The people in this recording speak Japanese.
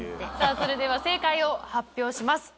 それでは正解を発表します。